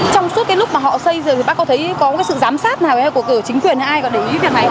trong suốt cái lúc mà họ xây rồi thì bác có thấy có cái sự giám sát nào hay của cửa chính quyền hay ai có để ý về máy